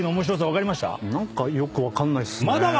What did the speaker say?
何かよく分かんないっすね。